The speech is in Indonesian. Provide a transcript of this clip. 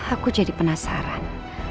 aku jadi penasaran